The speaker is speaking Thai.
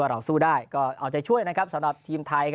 เอาใจช่วยนะครับสำหรับทีมไทย